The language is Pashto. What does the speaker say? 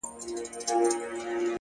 روښانه فکر ګډوډي کموي!